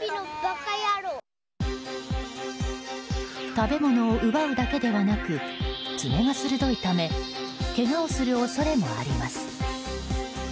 食べ物を奪うだけではなく爪が鋭いためけがをする恐れもあります。